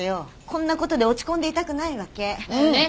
こんなことで落ち込んでいたくないわけ。だよね？